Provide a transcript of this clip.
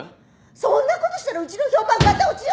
そんなことしたらうちの評判がた落ちよ！